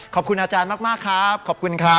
ขอบคุณอาจารย์มากครับขอบคุณครับ